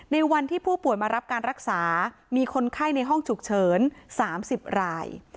ในวันที่ผู้ป่วยมารับการรักษามีคนไข้ในห้องฉุกเฉิน๓๐ราย